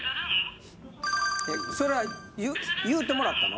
それは言うてもらったの？